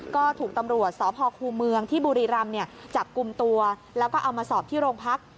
ก็ถูกตำรวจสพคูเมืองที่บุรีรำจับกลุ่มตัวแล้วก็เอามาสอบที่โรงพัก